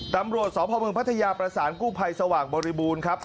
ตำรวจสพเมืองพัทยาประสานกู้ภัยสว่างบริบูรณ์ครับ